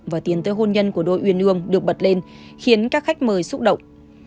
và tiến tới hôn nhân của đôi uyên ương được bật lên khiến các khách mời xúc động